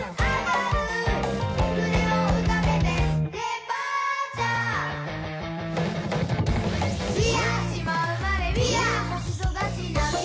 はい。